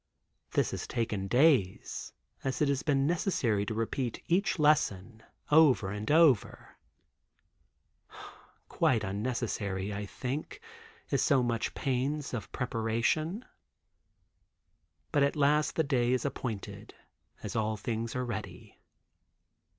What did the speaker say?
This has taken days, as it has been necessary to repeat each lesson, over and over. Quite unnecessary, I think, is so much pains of preparation. But at last the day is appointed, as all things are ready.